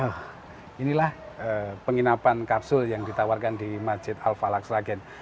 oh inilah penginapan kapsul yang ditawarkan di masjid al falak sragen